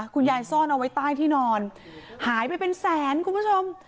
คุณยายซ่อนเอาไว้ใต้ที่นอนหายไปเป็นแสนคุณผู้ชม